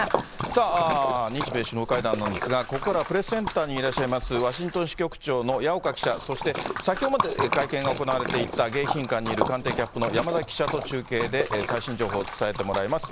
さあ、日米首脳会談なんですが、ここからはプレスセンターにいらっしゃいます、ワシントン支局長の矢岡記者、そして先ほどまで会見が行われていた迎賓館にいる官邸キャップの山崎記者と中継で最新情報を伝えてもらいます。